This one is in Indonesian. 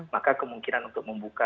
maka kemungkinan untuk membuka